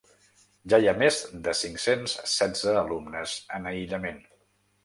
Ja hi ha més de cinc-cents setze alumnes en aïllament.